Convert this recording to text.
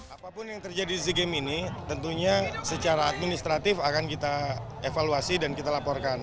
apapun yang terjadi di sea games ini tentunya secara administratif akan kita evaluasi dan kita laporkan